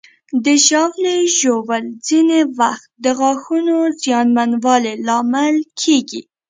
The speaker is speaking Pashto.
د ژاولې ژوول ځینې وخت د غاښونو زیانمنوالي لامل کېږي.